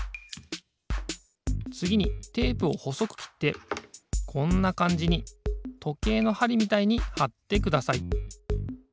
つぎにテープをほそくきってこんなかんじにとけいのはりみたいにはってください。